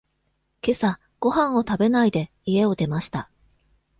けさごはんを食べないで、家を出ました。